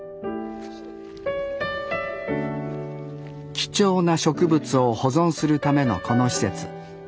貴重な植物を保存するためのこの施設。